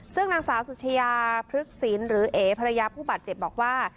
ซึ่งนางสาวสุชยาพฤกษีลหรือเอ๋ภรรยาผู้บาดเจ็บบอกว่า